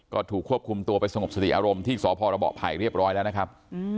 ก็ถูกควบคุมตัวไปสงบสติอารมณ์ที่สพระเบาะไผ่เรียบร้อยแล้วนะครับ